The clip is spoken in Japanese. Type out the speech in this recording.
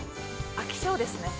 ◆飽き性ですね。